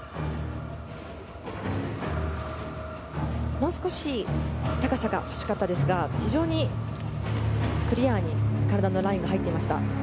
もう少し高さが欲しかったですが非常にクリアに体のラインが入っていました。